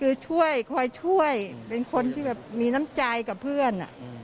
คือช่วยคอยช่วยเป็นคนที่แบบมีน้ำใจกับเพื่อน